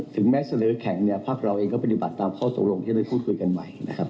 ถึงแม้เสนอแข่งเนี่ยภาคเราเองก็ปฏิบัติตามข้อตกลงที่จะได้พูดคุยกันใหม่นะครับ